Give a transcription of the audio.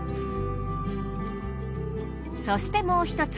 そしてもう一つ。